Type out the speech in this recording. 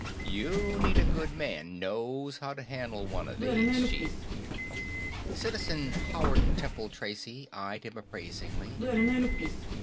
You need a good man knows how to handle wunna these, Chief." Citizen Howard Temple Tracy eyed him appraisingly.